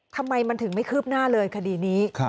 ทำไมมันถึงไม่คืบหน้าเลยคดีนี้